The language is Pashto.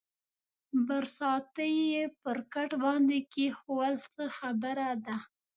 برساتۍ یې پر کټ باندې کېښوول، څه خبره ده؟